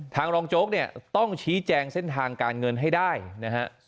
รองโจ๊กเนี่ยต้องชี้แจงเส้นทางการเงินให้ได้นะฮะ